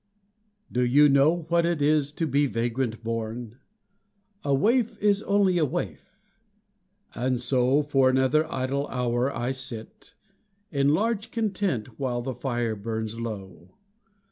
Do you know what it is to be vagrant born? A waif is only a waif. And so, For another idle hour I sit, In large content while the fire burns low.